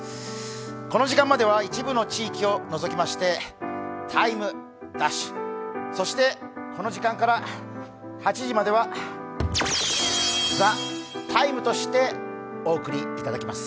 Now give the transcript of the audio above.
この時間までは一部の地域を除きまして「ＴＩＭＥ’」、そしてこの時間から８時までは「ＴＨＥＴＩＭＥ，」としてお送りいただきます。